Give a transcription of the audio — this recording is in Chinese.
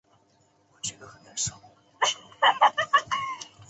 时值香港商务印书馆成立合唱团。